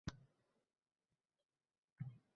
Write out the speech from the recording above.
Hayratimning tili bo’lsaydi agar.